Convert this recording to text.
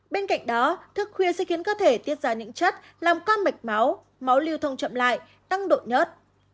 bên cạnh đó thức khuya sẽ khiến cơ thể tiết ra những chất làm con mạch máu máu lưu thông chậm lại tăng độ nhớt